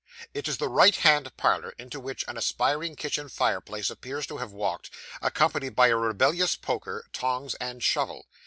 It is the right hand parlour, into which an aspiring kitchen fireplace appears to have walked, accompanied by a rebellious poker, tongs, and shovel.